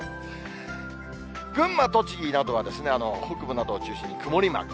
群馬、栃木などは北部などを中心に曇りマーク。